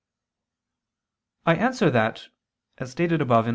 I answer that, As stated above (A.